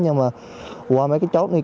nhưng mà qua mấy cái chốt này